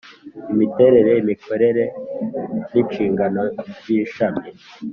Imiterere imikorere n inshingano by ishami